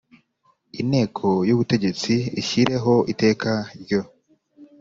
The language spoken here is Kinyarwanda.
Inteko y'ubutegetsi ishyireho iteka ryo